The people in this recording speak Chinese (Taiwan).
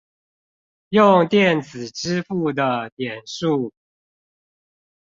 用電子支付的點數